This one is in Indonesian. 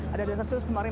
ada dasar sejarah kemarin